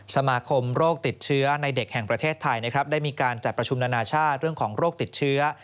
สมาคมโรคติดเชื้อในเด็กแห่งประเทศไทยนะครับได้มีการจัดประชุมนานาชาติเรื่องของโรคติดเชื้อ